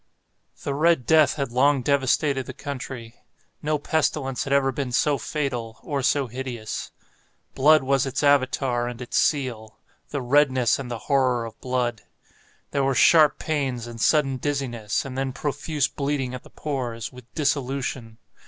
The "Red Death" had long devastated the country. No pestilence had ever been so fatal, or so hideous. Blood was its Avatar and its seal—the redness and the horror of blood. There were sharp pains, and sudden dizziness, and then profuse bleeding at the pores, with dissolution.